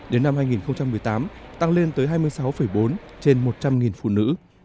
đến năm hai nghìn một mươi tám tăng lên tới hai mươi sáu bốn trên một trăm linh phụ nữ